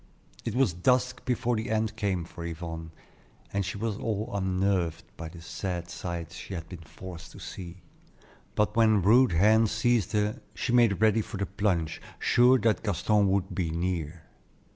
It was dusk before the end came for Yvonne, and she was all unnerved by the sad sights she had been forced to see; but when rude hands seized her, she made ready for the plunge, sure that Gaston would "be near."